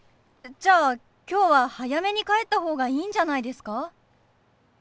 じゃあ今日は早めに帰った方がいいんじゃないですか？